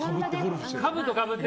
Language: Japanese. かぶとかぶって。